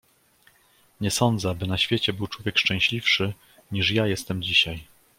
"Nie sadzę, aby na świecie był człowiek szczęśliwszy, niż ja jestem dzisiaj."